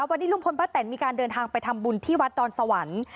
วันนี้ลุงพลป้าแตนมีการเดินทางไปทำบุญที่วัดดอนสวรรค์